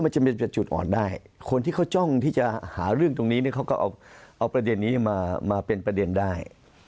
มันจะเป็นจุดอ่อนได้คนที่เขาจ้องที่จะหาเรื่องตรงนี้เขาก็เอาประเด็นนี้มาเป็นประเด็นได้